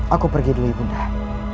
aku pergi dulu ibu undah